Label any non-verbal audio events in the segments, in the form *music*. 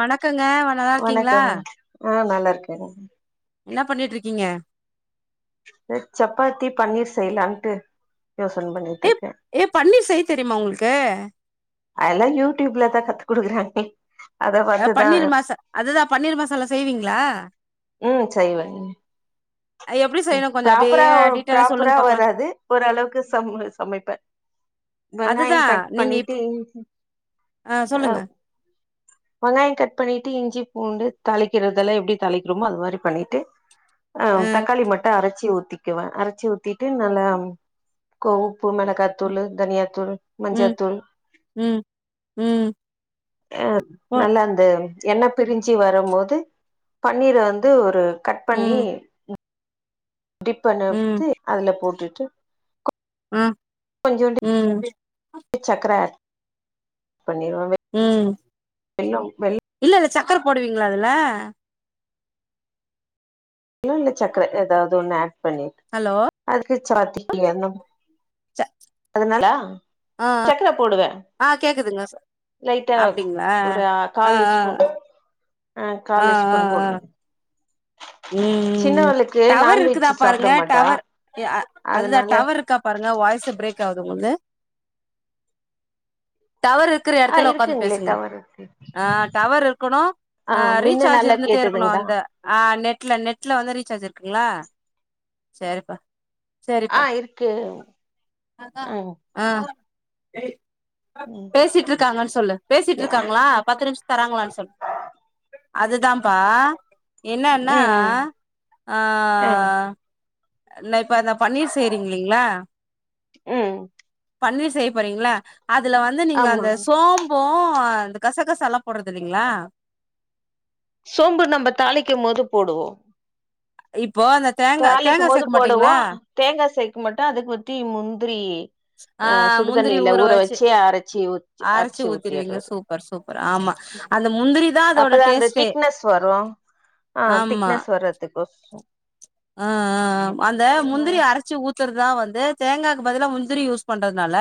வணக் கோக்கங்க நல்லா இருக்கீங்களா வணக்கம் ஆ நல்லா இருக்கேங்க என்ன பண்ணிட்டு இருக்கீங்க சப்பாத்தி பன்னீர் செய்லான்ட்டு யோசனை பண்ணிட்டு ஏ இருக்க ஏ பன்னீர் செய்ய தெரியுமா உங்களுக்கு அதெல்லாம் யூடியூப்லதான் கத்து குடுக்குறாங்களே அ பன்னீர் மாசா அதுதா பன்னீர் மசாலா செய்வீங்களா ம் செய்வேங்க எப்டி செய்யணு கொஞ்சோ அப்டியே ப்ராப்பரா டீட்டெய்லா சொல்லுங்க ப்ராப்பரா பாக்கலா வராது ஓரளவுக்கு சம் சமைப்பே வெங்காயோ அதுதா கட் நீங்க பண்ணிட்டு இப் இஞ்சி ஆ சொல்லுங்க வெங்காயம் கட் பண்ணிட்டு இஞ்சி பூண்டு தாளிக்கிறது எல்லாம் எப்படி தாளிக்கிறோமோ அது மாதிரி பண்ணிட்டு அ ஆ தக்காளி மட்டோ அரைச்சி ஊத் ஊத்திக்குவேன் அரைச்சி ஊத்திட்டு நல்லா கொ உப்பு மிளகாத்தூளு தனியாத்தூளு ம் ம் ம் ஆ போ நல்லா இருந்து எண்ணெ பிரிஞ்சு வரும்போது பன்னீர வந்து ஒரு கட் பண்ணி ம் டிப் அனப்து அதுல போட்டு *unintelligible* ம் ம் சக்கர பண்ணிருவோமே ம் வெல்லம் வெல்லம் இல்ல இல்ல சக்கர போடுவீங்களா அதுல வெல்ல இல்ல சக்கர ஏதாவது ஒண்ண ஆட் பண்ணிட் ஹலோ அதுக்கு சராத்திக்கு எண்ணம் ச அதனால சக்கர போடுவே ஆ கேக்குதுங்க சா லைட்டா அப்டிங்களா ஒரு ஆ கால் ஆ ஸ்பூன் ஆ கால் ஆ ஸ்பூன் ஆ போடுங் ம் ம் டவர் நான்வெஜ் இருக்குதா சாப்ட பாருங்க மாட்டா டவர் அ அதுதா அதனால டவர் இருக்கா பாருங்க வாய்ஸ் பிரேக் ஆவுது உங்ளுது டவர் இருக்ற ஆ எடத்துல உக்காந்து இருக்குங்களே பேசுங்க டவர் இருக்கு ஆ டவர் இருக்குணு ஆ அ மின்ன ரீசார்ஜ் நல்லா இருந்துட்டே இருக்குணு கேட்டுதுங்களா அந்த ஆ நெட் இல்ல நெட்ல வந்து ரீசார்ஜ் இருக்குங்களா செரிப்பா ஆ இருக்கே ம் ஏய் ம் பேசிட்டு இருக்காங்கன்னு சொல்லு பேசிட்டு இருக்காங்களா பத்து நிமிஷ தராங்களான்னு சொல்லு அதுதான்ப்பா என்ன ம் னா ம் ஆ ஆ நெட் இப்ப இந்த பன்னீர் செய்றீங்களா ம் பனீர் செய்யப்போறீங்களா அதுல வந்து நீங்க ஆமா அந்த சோம் இப்போ இந்தந கசகசா லா போட்றது இல்லைங்களா சோம்பு நம்ம தாளிக்கு போது போடுவோம் இப் தாளிக்கும்போது போடுவோ தேங்கா சேக்க மாட்டோ அத பத்தி முந் த்ரி அ சுடுதண்ணில ஊற வச்சு அரைச்சி ஊத் அரச்சு அரைச்சி ஊத்திருவீங்க ஊத்திடுறது சூப்பர் சூப்பர் ஆமா அந்த முந்திரி தா அதோட அப்பதா அந்த டேஸ்ட்டே திக்னஸ் வரும் ஆ திக்னஸ் வர்றதுக்கு ம்ம் அந்த ஆ முந்திரி அரைச்சு ஊத் த்றதுதா வந்து தேங்காக்கு பதிலா முந்திரி யூஸ் பண்றதுனால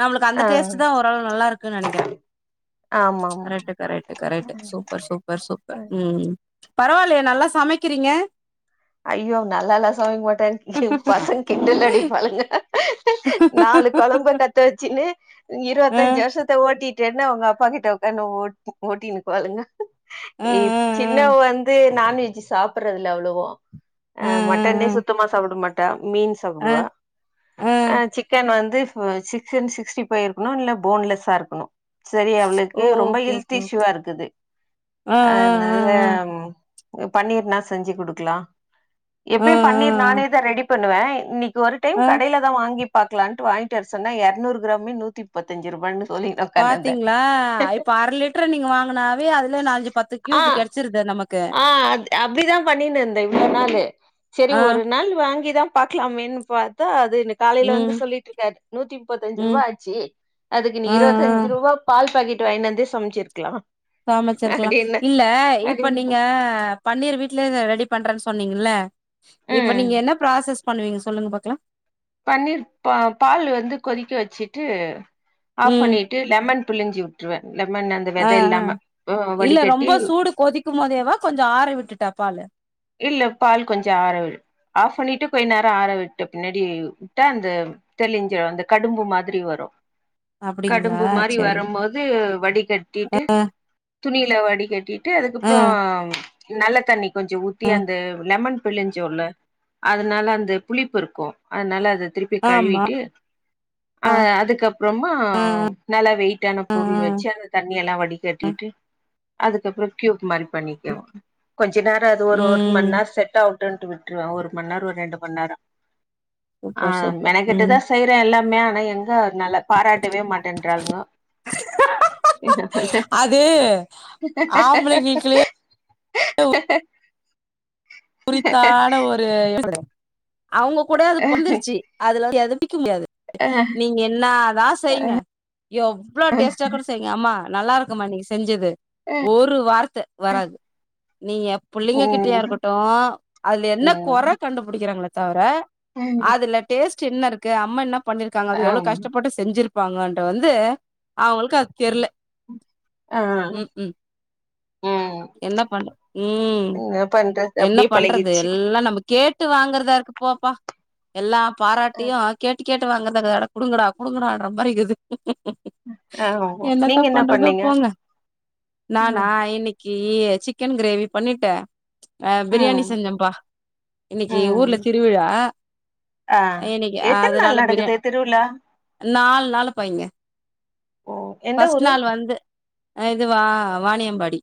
நம்மளுக்கு அந்த ஆ டேஸ்ட்ட் தா ஓரளவு நல்லா இருக்குன்னு நெனைக்கிறே ஆமா கரெக்ட கரக்ட கரெக்ட் ஆமா சூப்பர் சூப்பர் சூப்பர் ம் பரவால்லயே நல்லா சமைக்கிறீங்க ஐயோ நல்லால்லா சமைங்க மாட்டோ எ பசங்க கிண்டல்லடிப்பாளுங்க நாலு கொழம்பு கத்து வச்சின்னு ஆ இருவத்தஞ்சு வருஷத்த ஓட்டிட் என்ன அவங்க அப்பா கிட்ட உக்காந்து ஓட் ஓட்டின்னுருப்பாளுங்க ஆ இ சின்னவ வந்து நான்வெஜ்ஜி சாப்டுறதுல்ல அவ்ளோவா ஆ ஆ அஹ் மட்டனே ஆ சுத்தமா சாப்ட மாட் மீன் ஆ சாப்பிடுவா ஆ ஆ ஆஹ் சிக்கன் வந்து ப்ப சிக்கன் சிக்ஸ்டி பைவ் இருக்கணு. இல்ல, போன்லெஸ்ஸா இருக்கணு செரி ஓ அவ்ளுக்கு ரொம்ப ஓகே ஹெல்த் ஓகே ஓகே இஷ்யூவா இருக்குது ஆ ஆ ஆ அதனால பன்னீர்னா செஞ்சு குடுக்கலா ஆ ஆ எப்பயும் பன்னீர் நானே ஆ தா ரெடி பண்ணுவே இன்னிக் கு ஒரு டைம் ஆ கடையில தா வாங்கி பாக்குலான்ட்டு வாங்கிட்ட வர சொன்னா இருநூறு கிராமே நூத்தி முப்பத்தெஞ்சி ரூபான்னு பாத்தீங்ளா இப்ப அர லிட்டரு நீங்க வாங்கனாவே அதுல நாலஞ்சு பத்து கியூப் கெடைச்சிருது நம்ம ஆஹ் அ அப்டிதா பண்ணிருனுந்த இவ்ளோ நாளு செரி ஆ ஒரு நாள் வாங்கிதா பாக்கலாமேன்னு பாத்தா அ து காலையில ம் வந்து சொல்லிட்டு இருக்காரு நூத்தி முப்பத்தஞ்சு ம் ரூபா ஆச்சு அதுக்கு நீ ஆ ஆ இருபத்திஞ்சு ரூபா பால் பாக்கெட் ரெண்டு வாங்கின்னு வந்தே சமைச்சிருக்கலா சமைச்சிருக்கலா இல்ல இப்ப அப்படின்னு. நீங்க பன்னீர் வீட்டுலயே ரெடி பண்றேன்னு சொன்னீங்கல்ல இப்ப ம். நீங்க என்ன ப்ராசஸ் பண்ணுவீங்க சொல்லுங்க பாக்கலா பன்னீர் பா பால் வந்து கொதிக்க வச்சிட்டு ஆஃப் ம் பண்ணிட்டு லெமன் புழிஞ்சி விட்டுருவே லெமன் அந்த ஆ வெத ஆ இல்லாம அஹ் இல்ல ரொம்ப வடிகட்டி சூடு கொதிக்கும் போதேவா கொஞ்சோ ஆற விட்டுட்டா பாலு இல்ல பால் கொஞ்சம் ஆர விடு ஆஃப் பண்ணிட்டு கொஞ்ச நேர ஆர விட்ட பின்னாடி விட்டா அந்த தெளிஞ்சிட அந்த கடும்பு மாத்ரி வரும் அப்டிங்களா கடும்பு மாரி சேரி வரும்போது வடிகட்டிட்டு துணில வடி கட்டிட் டு ஆ அதுக்கப்புறோ நல்ல தண்ணி கொஞ்சோ தி அந்த லெமன் பிழிஞ்சோல அதனால அந்த புளிப்பு இருக்கும் அதனால அது திருப்பி ஆமா கழுவிட்டு அஹ் அதுக்கப்புறமா நல்லா வெயிட்டான ஆ ஆ பொருள் வச்சு அது தண்ணி எல்லாம் வடி கட்டிட்டு அதுக்கப்புறோ கியூப்மாரி பண்ணிக்கவு கொஞ்ச நேர அ அது ஒரு ஒரு மண் ம் நேரோ செட் ஆவு ட்டுண்டு விட்டுருவே ஒரு மண்நேரோ ஒரு ரெண்டு மண் நேரோ ஆ, சூப்பர் சூப்பர் ம் மெனக்கெட்டுதா செய்றே எல்லாமே ஏ நல்லா பாராட்டவே மாட்டேன்றாளுங்க என்ன பண்ண அது ஆம்பளைங்களுக்குள்ளயே உரித்தான ஒரு அவுங்க கூட அது பொந்துருச்சு அதுலருந்து எது பிரிக்க முடியாது நீங்க என்னாதா செய்ங்க எவ்ளோ டேஸ்டா கூட செய்ங்க அம்மா நல்லாருக்குமா நீங்க செஞ்சது ஒரு வார்த்த வராது நீங்க எம்பிள்ளைங்க கிட்டயா ம் இருக்கட் டு அதுல என்ன கொற ம் கண்டுபிடிக்கிறாங்கள தவர ம் அதுல டேஸ்ட் என்ன இருக்கு அம்மா என்ன பண்ணிருக்காங்க அப்டி எவ்ளோ ஆமா கஷ்டபட்டு செஞ்சிருக் ப்பாங்கன்றது வந்து அவங்களுக்கு அது தெர்ல ஆ ம் ம் ம் என்ன பண்ற ம் என்ன பண்றது என்ன அப்டியே பண்றது பழகிடுச்சு எல்லா நம்ம கேட் கேட்டு வாங்கறதா இருக்கு போப்பா எல்லா பாராட்டியே ஆகாட்டி கேட்டு வாங்கறதா இருக்குது அட குடுங்குடா குடுங்கடான்ற மாரி இருக்குது ஆமா எனத்த நீங்க என்ன பண்றதோ பண்ணீங்க போங்க நானா இன்னிக்கு ஏ சிக்கன் கிரேவி பண்ணிட்டே அ பிரியாணி ம் செஞ்சம்ப்பா இன்னைக்கு ஊர்ல ம் திருவிழா ஆ இன்னைக்கு எத்தன அதனால நாள் பிரியா நடக்குது திருவிழா நாலு நாளுப்பா இங்க ஓ எந்த ஃபர்ஸ்ட் ஊரு நாள் வந்து அ இதுவா வாாணியம்பாடி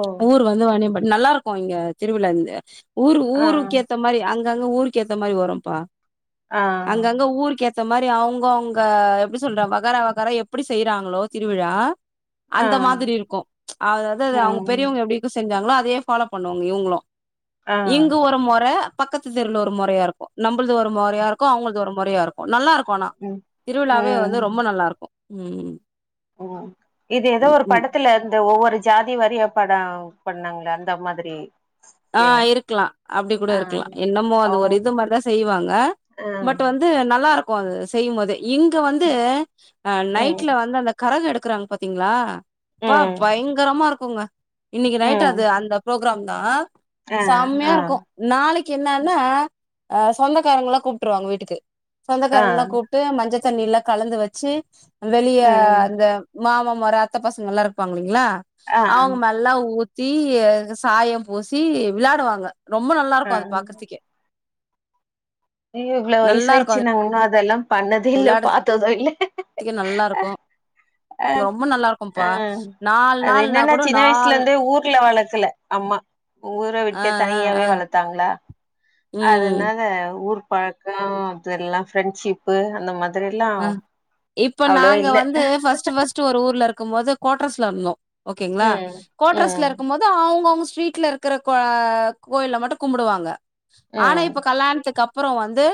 ஓ ஊர் வந்து வாணியம்பாடி நல்லாருக்கு இங்க திருவிழா இந்து ஊரு ஆ ஊருக்கு ஏத்த மாரி அங் அங்கங்க ஊருக்கு ஏத்த மாரி வரும்ப்பா ஆ அங்கங்க ஊருக்கு ஏத் த மாரி அவங்கவுங்க எப்படி சொல்ற வகார வகார எப்படி செய்றாங்ளோ திருவிழா ஆ அந்த மாரி இருக்கும் அதாவ்து அவங்க ம் பெரியவங்க எப்டிக்கு செஞ்சாங்களோ அதே ஃபாலோ பண்ணுவாங்க இவங்களு ஆ இங்கு ஒரு மொற பக்கத்து தேருவுல ஒரு மொறையா இருக்கு நம்பள்து ஒரு மொறையா இருக்கும் அவங்கள்து ஒரு மொறையா இருக்கும் நல்லா இருக்கும் போனா ம் திருவிழாவே வந்து ரொம்ப நல்லா இருக்கு உம் உம் இது ஏதோ ஒரு படத்துல இருந்து ஒவ்வொரு ஜாதி வாரியா படம் பண்ணாங்கள அந்த மாதிரி சீனா ஆஹ் இருக்கலாம அப்டி கூட ஆ இருக்கலா என்னமோ ஓ அது ஒரு இந்த மாரிதா செய்வாங்க ஆ பட் வந்து நல்லா இருக்கு து செய்யும் போதே இங்க வந்து ம் நைட்ல வந்து அந்த கரக எடுப் டுக்குறாங்க பாத்தீங்களா அப்பா ம் பயங்கரமா இருக்கு க்குங்க இன்னிக்கு நைட் ம் அது அந்த ப்ரோக் க்ராம் தா ஆ செமையா ஆ இருக்கு நாளிக் என்னன்னா ஹ் சொந்தக்காரங்களல்லா கூப்டுருவாங்க வீட்டுக்கு ஆ சொந்தக்கார எல்லா கூப்ட்டு மஞ்சள் தண்ணி எல்லா கலந்து வெச்சு வெளிய ம் அந்த மாமா மொர அத்த பசங்கெல்லா இருப்பாங்க இல்லிங்களா ஆ அவுங்க மேல்லா ஊத்தி த்தி சாயம் பூசி யி வெளடுவாங்க ரொம்ப நல்லா ஆ இருக்கு அது பாக்குறதுக்கே இவ்ளோ நல்லா இருக்கு வய்சாயிடுச்சு அது நாங்க இன்னு அதெல்லாம் பண்ணதே இல்ல விளாடுறதுக்கே பாத்தது இல்ல நல்லா இருக்கு இங்க அஹ் ரொம்ப நல்லா இருக்கும்ப்பா ஆஹ் நாலு அது நாள்னா என்னன்னா கூட சின்ன வயசுல நால் இருந்தே ஊர்ல வளக்கல அம்மா ஊர ஆ விட்டே ஆ தனியாவே ஆ வளத்தாங்களா ம் அதனால ஊரு பழக்கம் அது எல்லா ஃப்ரெண்ஷிப்பு அந்த மாரி அஹ இப்ப நாங்க வந்து ஃபர்ஸ்ட் ஃபர்ஸ்ட் ஒரு ஊர்ல இருக்கு இருக்கு போது குவோட்ரஸ்ல இருந்தோ ஓகேங்களா ம் கோட்ரஸ்ல ம் இருக்கும் போது அவங்க அவங்க ட்ரீட்ல இருக்கிற அ கோயில மட்டும் கும்புடுவாங்க ஆனா ம் இப்ப கல்லாணத்துக் அப் அப்புறோ வந்து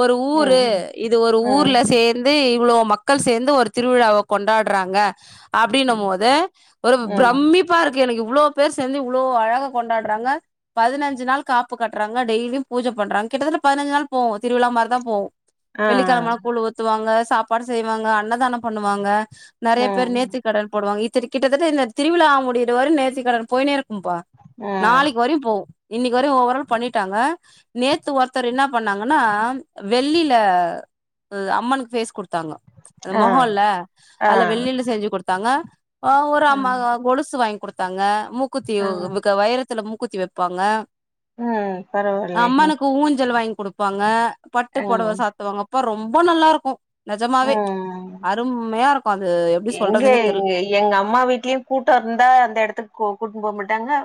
ஒரு ஊரு ம் இது ஒரு ம் ஊர்ல வந்து இவ்ளோ மக்கள் சேர்ந்து ஒரு திருவிழாவ கொண்டாற்றாங்க அப்டின்னு ம் போது ஒரு ம் பிரம்மிப்பா இருக்கு எனக்கு இவ்ளோ பேர் சேந்து இவளோ அழகா கொண்டாடுறாங்க பதினஞ்சு நாள் காப்பு கட்டுறாங்க டெய்லியு பூஐ பண்ணுறாங்க கிட்டத்தட்ட பதினஞ்சு நாள் போவோ திருவிழா மாரி தா போவோ ஆ வெள்ளிக்கழமனா கூல் வூத் ப்பாங்க சாப்பாடு செய்வாங்க அன்னதானம் பண்ணுவாங்க நெறைய பேர் ம் நேத்தி கடன் போடுவாங்க ஈத் கிட்டத்தட்ட இந்த திருவிழா முடியறவர நேர்த்தி கடன் போய்னே ருக் பா ம் நாளைக்கு வரைக்கு போவு இன்னிக்கு வரையு ஒவ்வொருநாள் பண்ணிட்டாங்க நேத்து ஒருத்தர் என்ன பண்ணாங்கன்னா வெள்ளில அம்மனுக்கு ஃபேஸ் கொடு தாங்க அ ஆ முகல்ல ஆ ஆ அதுல்ல வெள்ளில செஞ்சு கொடு தாங்க ஆ ஒரு அம்மா கொலுசு வாங் குடுத்தாங்க மூக் குத்தி ஆ வு வைரத்துல மூக் குத்தி வப்பாங்க ம் பரவால்லியே ஊஞ்சல் வாங்கி குடுப்பாங்க பட்டு புடவ சாத்துவாங்க பறோம் ரொம்ப நல்லா இருக்கு நெஜமாவே அரும்மையா இருக்கு அது எப்டி எங்கே சொல்றதுன்னே தெர்ல எங்க எங்க அம்மா வீட்லயு கூட்டோ இருந்தா அந்த இடத்துக்கு கூட்னுபோ ப்போட்டாங்க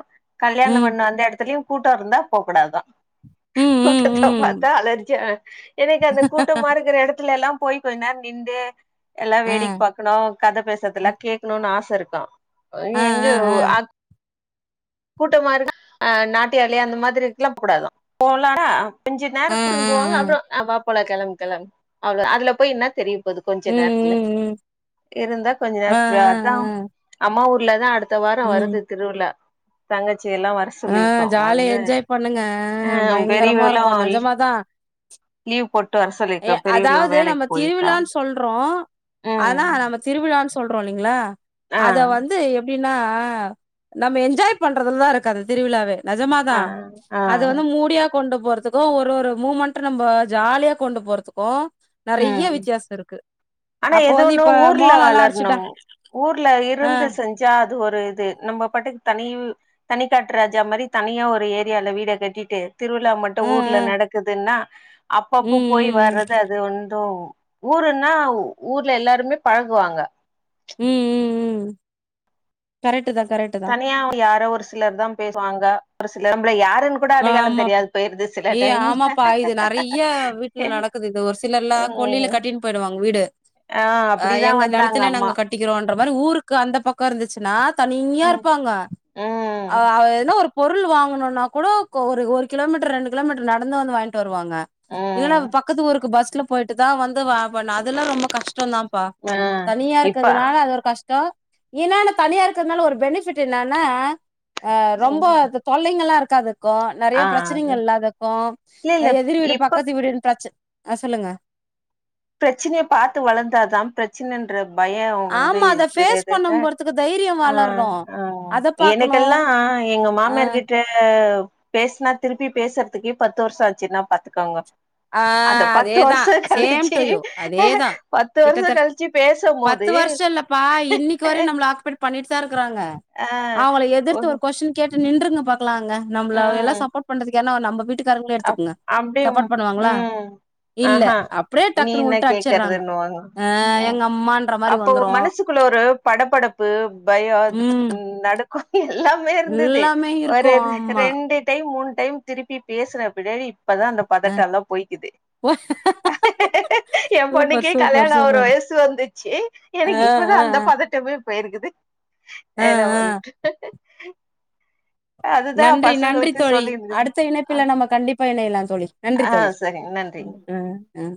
கல்யாணம் ம் பண்ண அந்த இடத்துலயும் கூட்டோ இருந்தா போக்கூடாதுதா ம் ம் கூட்டத்த ம் பாத்தா அலர்ஜிய அ எனக்கு அந்த கூட்டமா இருக்கிற இடத்துலல்லா போய் கொஞ்ச நேரோ நிண்டு எல்லா ஆ வேடிக் பா கதை பேசதுல கேட்கணு ஆசை இருக்கா நீ ஆ ஆ ஆ எங்க ஊ ஆ அத் கூட்டமா இருக்க அ நாட்டியாளியா அந்த மாதிரி இருக்கல்லாம் கூடாாதாம் போலனா கொஞ்ச நேரம் ஆ திரும்புவாங்க ஆ அப்புறம் அவ போல கிளம் கிளம் அவ்வளோ அதுல போய் என்ன தெரியும் து கொஞ்சோ ம் நேரத்துல ம் ம் இருந்தா கொஞ்சோ ஆ ஆ நேர அதான் அம்மா ஊரு இல்லதா அது அடுத்த வாரோ வருது திருவிலா சங்க ஆஹ் ஜாலியா என்ஜாய் பண்ணுங்க அ பயங்கரமா பெரியவளு இருக்கோ நிஜமாதா லீவ் போட்டு வர சொல்லிருக்கோ பெரியவளு அதாவது நம்ம வேலைக்கு போயிருக்கா திருவிலானு சொல்றோ அதா ம் நம்ம திருவிழா சொல்றோ இல்லீங்களா ஆ அத வந்து அப்படீன்னா நம்ம என்ஜாய் பண்றதுல தான் இருக்கு காது திருவிழாவே நெஜமாதா ஆ ஆ அது வந்து மூடியா கொண்டு போறதுக்கோ ஒரு ஒரு மூமெண்ட்டு நம்ப ஜாலியா கொண்டு போறதுக்கோ ம் ஆனா அப்போ எது வந்து ஒன்னு இப்ப ஊர்ல மோளம்லாம் அடிச்சுட்டா வளரணும் ஊர்ல ஆ இருந்து செஞ்சா அது ஒரு இது நம்ம பாட்டுக்கு தனி தனிக்காட்டு ராஜா மாரி தனியா ஒரு ஏரியால வீட கட்டிட்டு திருவிழாமட்டூ ஆ ஊர்ல ஆ நடக்குதுன்னா ம் அப்பப்போ போய் ம் வர்றது அது பண்றோ ஊருன்னா ஊர்ல எல்லாருமே பழகுவாங்க ம் ம் ம் கரட் தனியா யாரோ ஒரு சிலர் தா பேசுவாங்க ஒரு சிலம்பல யார் ஆமாப்பா ஏய் டைம்ல ஆமாப்பா இது நிறைய வீட்டுல நடக்குது இது ஒரு சிலர்ல்லா கொல்லில ம் கட்டினு போயிடுவாங்க வீடு ஆ அ அப்டிதா எங்க வந்தாங்க நெலத்துல நாங்க அம்மா கட்டிக்கிறோம்ன்ற இதுமாரி ஊருக்கு அந்த பக்கம் இருந்துச்சுன்னா தனியா ம் இருப்பாங்க அ ம் உ என்ன ஒரு பொருள் வாங்கணோனா கூட ஒரு கிலோமீட்டர் ரெண்டு கிலோமீட்டர் நடந்து வந்து வாங்கிட்டு வரனோ வருவாங்க இல்லன்னா ம் பக்கத்து ஒருருக்கு பஸ் போயிட்டு தா வந் ப அதுலா ரொம்ப கஷ்டோ தான்பா ஆ தனியா இப்ப இருக்கிறதுனால ஆ அது ஒரு கஷ்டோ ஏனா நா தனியா இருக்கிறதுனால ஒரு பெனிஃபிட் என்னன்னா ஆ ரொம்போ தொல்லைங்கலா இருக்கும் க்காது க்கு நெறைய அது பிரச்சனைங்க இல்லாதக்கு இல்ல அ இல்ல எதிர்வீடு இப்ப பக்கத்து வீடுன் பிரச் அ சொல்லுங்க பிரச்சனைய பாத்து வளந்தாதா பிரச்சனன்ற பய அவ வந்து ஆமா அத ஃபேஸ் பண்ணும் *unintelligible* போறதுக்கு தைரியோ ஆ வளரு அ அத பாக்கணு எனக்கெல்லா எங்க ஆ மாமியார்கிட்ட பேஸ்னா திருப்பி பேசறதுக்கே பத்து வர்ஷாச்சுன்னா பாத்துக்கோங்க ஆ அந்த பத்து அதேதா வருஷோ சேம் கழிச்சு டூ யூ அதேதா பத்து வருஷோ கிட்டத்தட் கழிச்சு பேசும் பத்து போது வர்ஷல்லப்பா இன்னிக்கு வர நம்மல ஆக்குபைடு பண்ணிட்டுதாருக்கறாங்க ஆ அவங்கள எதிர்த்து ஒரு கொஸ்டின் கே ச்சி நின்றுங்க பா க்லாங்க நம்ப்ள எல்லா ம் சப்போட் பண்றதுக் *unintelligible* நம்ப வீட்டு காரங்ளே அப் எடுத்துக்ங்க அப்டியே சப்போட் ம் ம் ஆஹ நீ டக்குன்னு என்ன உல்ட்டா அடிச்சிடுறாங்க கேக்கறதுன்னுவாங்கோ ம் எங்க அம்மான்ற மாரி அப்போ ஒ வந்துரு மனசுக்குள்ள ஒரு படபடப்பு பயோ ம் நடு க்கொ எல்லாமே இருந்துது எல்லாமே ஒரு இருக்கு ரெ ஆமா ரெண்டு டைம் மூன் டைம் திருப்பி பேசுன பின்னாடி இப்பதா அந்த அ பதட்டல்லா போய்க்கிது எ சூப்பர் பொண்ணுக்கே சூப்பர் கல்யாணோ ஆவற சூப்பர் வயசு வந்துச்சி அ எனக்கு இப்பதா அ அந்த பதட்டமே பெயிருக்குது அ அ என அ. பண்ட்டு அதுதா பசங்களுக்கு சொல்லியிருந்துது பில்ல நம்ம கண்டிப்பா இணையலா தோழி நன்றி தோழி சரிங்க நன்றிங்க ம் அ அ